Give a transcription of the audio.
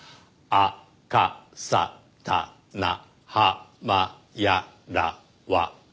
あかさたなはまやらわ。